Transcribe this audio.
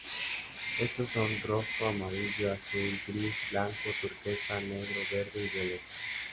Estos son: rojo, amarillo, azul, gris, blanco, turquesa, negro, verde y violeta.